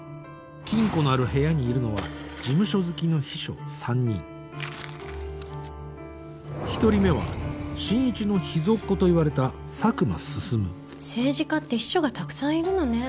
「金庫のある部屋にいるのは事務所付きの秘書３人」「１人目は信一の秘蔵っ子といわれた佐久間進」政治家って秘書がたくさんいるのね